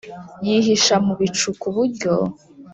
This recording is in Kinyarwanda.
Yihisha mu bicu ku buryo